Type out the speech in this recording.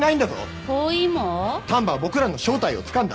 丹波は僕らの正体をつかんだ。